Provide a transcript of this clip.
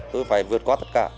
tôi phải vượt qua tất cả